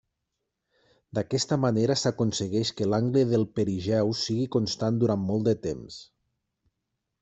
D'aquesta manera s'aconsegueix que l'angle del perigeu sigui constant durant molt de temps.